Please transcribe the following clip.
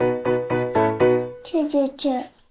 ９９。